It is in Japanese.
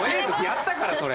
やったからそれ！